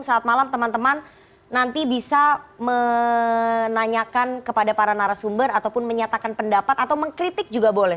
saat malam teman teman nanti bisa menanyakan kepada para narasumber ataupun menyatakan pendapat atau mengkritik juga boleh